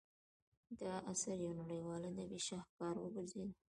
دا اثر یو نړیوال ادبي شاهکار وګرځید.